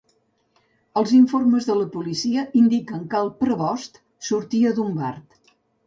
Els informes de la policia indiquen que el Prebost sortia d'un bar.